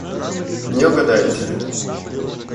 Не угадаете.